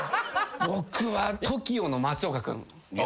僕はＴＯＫＩＯの松岡君。